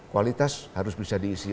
kualitas harus bisa diisi